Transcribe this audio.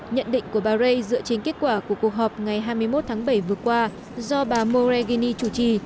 nhận định của bà rê dựa trên kết quả của cuộc họp ngày hai mươi một tháng bảy vừa qua do bà moragini chủ trì